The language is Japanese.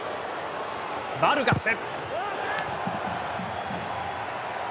バルガス。